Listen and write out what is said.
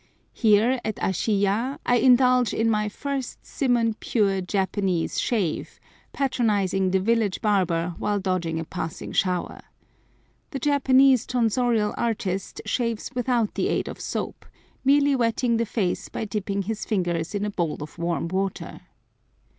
Here, at Ashiyah, I indulge in nay first simon pure Japanese shave, patronizing the village barber while dodging a passing shower. The Japanese tonsorial artist shaves without the aid of soap, merely wetting the face by dipping his fingers in a bowl of warm water.